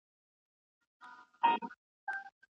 په ځمکه کي د فساد خپرول لویه فتنه ده.